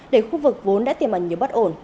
để khu vực vốn đã tiềm ẩn nhiều bất ổn